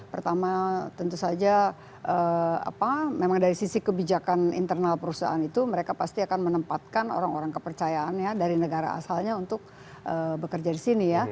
pertama tentu saja memang dari sisi kebijakan internal perusahaan itu mereka pasti akan menempatkan orang orang kepercayaan dari negara asalnya untuk bekerja di sini ya